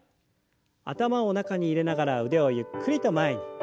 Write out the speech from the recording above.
頭を中に入れながら腕をゆっくりと前に。